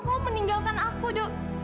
kamu meninggalkan aku do